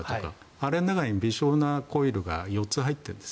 あの中に微小なコイルが４つ入っているんです。